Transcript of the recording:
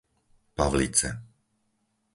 Pavlice